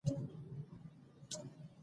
تعليم شوې نجونې د ګډو اهدافو ملاتړ کوي.